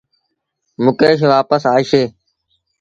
مڪيش وآپس آئيٚسي۔